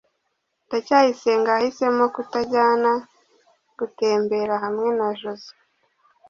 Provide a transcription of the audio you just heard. ndacyayisenga yahisemo kutajyana gutembera hamwe na joze